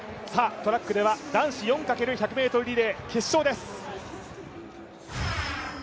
トラックでは男子４×１００ｍリレー決勝です。